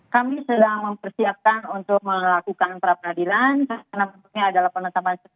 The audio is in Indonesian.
kami sedang mempersiapkan untuk melakukan pra peradilan karena bentuknya adalah penetapan